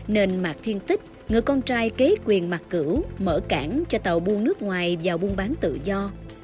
nên mạc thiên tích ngựa con trai kế quyền mạc cửu mở cảng cho tàu buôn nước ngoài vào buôn bán tự do